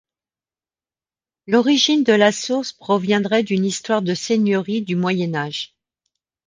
L'origine de la source proviendrait d'une histoire de seigneurie du Moyen Âge.